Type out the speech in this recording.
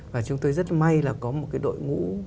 và chúng tôi rất may là có một cái đội ngũ